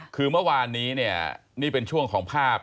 คือเมื่อวานนี้เนี่ยนี่เป็นช่วงของภาพ